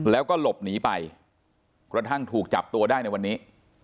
แล้วก็หลบหนีไปกระทั่งถูกจับตัวได้ในวันนี้